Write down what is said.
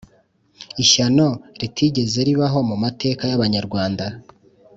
ishyano ritigeze ribaho mu mateka y'abanyarwanda